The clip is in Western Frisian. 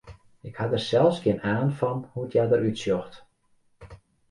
Ik ha der sels gjin aan fan hoe't hja derút sjocht.